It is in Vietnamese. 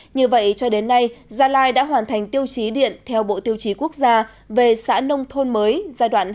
như vậy cho đến nay gia lai đã hoàn thành tiêu chí điện theo bộ tiêu chí quốc gia về xã nông thôn mới giai đoạn hai nghìn một mươi sáu hai nghìn hai mươi